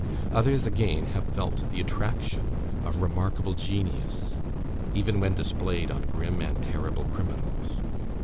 Others, again, have felt the attraction of remarkable genius, even when displayed on grim and terrible criminals.